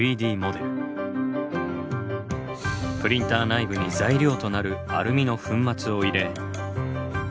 プリンター内部に材料となるアルミの粉末を入れ。